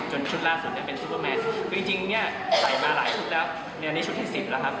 จนชุดล่าสุดเป็นซูเปอร์แมศ